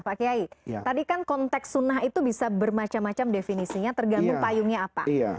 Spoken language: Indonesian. pak kiai tadi kan konteks sunnah itu bisa bermacam macam definisinya tergantung payungnya apa